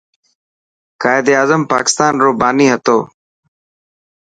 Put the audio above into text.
قائداعظم پاڪستان رو باني هتو.